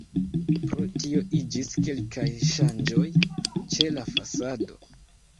Pro tio iĝis kelkaj ŝanĝoj ĉe la fasado.